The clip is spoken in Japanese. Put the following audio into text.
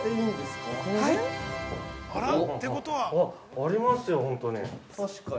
◆ありますよ、本当に。